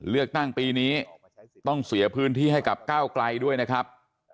เลือกตั้งปีนี้ต้องเสียพื้นที่ให้กับก้าวไกลด้วยนะครับ